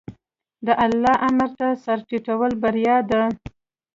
د الله امر ته سر ټیټول بریا ده.